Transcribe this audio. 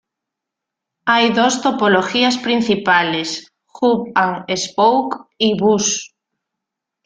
Hay dos topologías principales: hub-and-spoke, y bus.